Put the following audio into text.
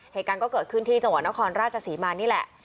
เหตุการณ์ก็เกิดขึ้นที่จังหวัดนครราชศรีมานี่แหละ